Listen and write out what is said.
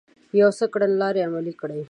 يو څه کړنلارې عملي کړې